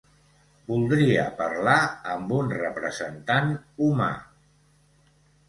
Voldria parlar amb un representant humà.